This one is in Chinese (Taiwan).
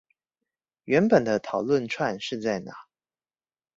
原本的討論串是在哪？